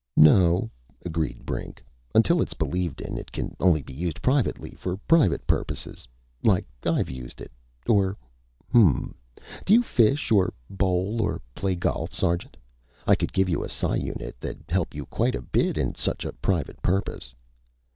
"No," agreed Brink. "Until it's believed in it can only be used privately, for private purposes. Like I've used it. Or Hm m m. Do you fish, or bowl, or play golf, sergeant? I could give you a psi unit that'd help you quite a bit in such a private purpose."